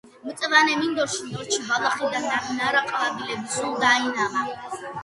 მწვანე მინდორში ნორჩი ბალახი და ნარნარა ყვავილები სულ დაინამა.